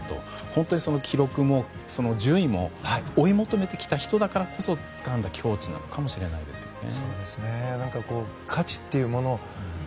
本当に、記録も順位も追い求めてきた人だからこそつかんだ境地なのかもしれないですよね。